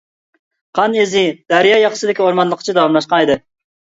قان ئىزى دەريا ياقىسىدىكى ئورمانلىققىچە داۋاملاشقانىدى.